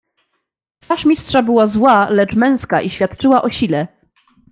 "Twarz Mistrza była zła, lecz męska i świadczyła o sile."